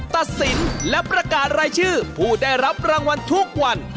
ตัดสินและประกาศรายชื่อผู้ได้รับรางวัลทุกวัน